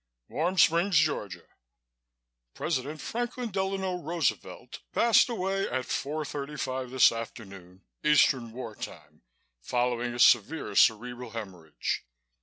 "Warm Springs, Georgia. President Franklin Delano Roosevelt passed away at four thirty five this afternoon, Eastern War Time, following a severe cerebral hemorrhage.